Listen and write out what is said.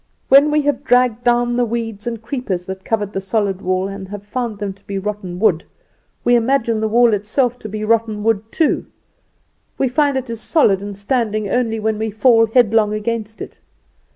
When we have dragged down the weeds and creepers that covered the solid wall and have found them to be rotten wood, we imagine the wall itself to be rotten wood too. We find it is solid and standing only when we fall headlong against it.